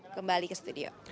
kembali ke studio